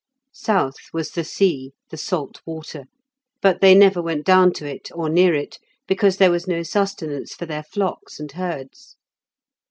South was the sea, the salt water; but they never went down to it, or near it, because there was no sustenance for their flocks and herds.